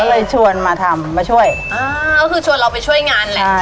ก็เลยชวนมาทำมาช่วยอ่าก็คือชวนเราไปช่วยงานแหละ